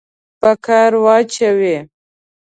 په کار واچوي.